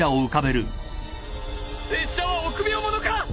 拙者は臆病者か？